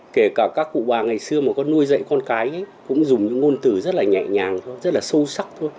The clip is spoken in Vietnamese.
kể cả các cụ bà ngày xưa mà có nuôi dạy con cái ấy cũng dùng những ngôn từ rất là nhẹ nhàng thôi rất là sâu sắc thôi